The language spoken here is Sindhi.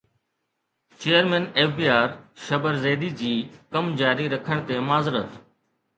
chairman F B R Shabbar Zaidi جي ڪم جاري رکڻ تي معذرت